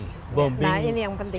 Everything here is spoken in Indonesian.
nah ini yang penting